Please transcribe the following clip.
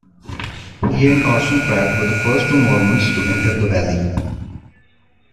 He and Orson Pratt were the first two Mormons to enter the Valley.